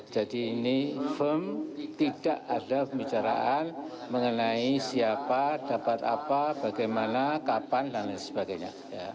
jadi ini firm tidak ada pembicaraan mengenai siapa dapat apa bagaimana kapan dan lain sebagainya